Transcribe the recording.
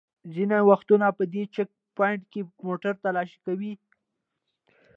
ځینې وختونه په دې چېک پواینټونو کې موټر تالاشي کوي.